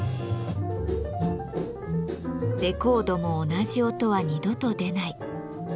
レコードも同じ音は２度と出ない。